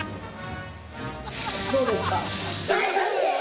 どうですか？